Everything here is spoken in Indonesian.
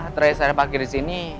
terus hari pagi disini